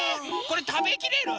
これたべきれる？